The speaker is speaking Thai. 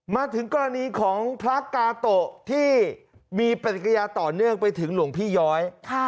มาถึงกรณีของพระกาโตะที่มีปฏิกิยาต่อเนื่องไปถึงหลวงพี่ย้อย